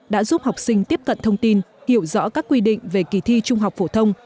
đã giúp học sinh tiếp cận thông tin hiểu rõ các quy định về kỳ thi trung học phổ thông